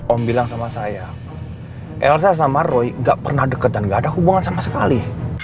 om bilang sama saya elsa sama roy gak pernah deketan gak ada hubungan sama sekali